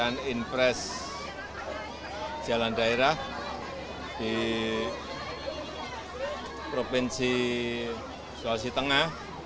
dan impres jalan daerah di provinsi sulawesi tengah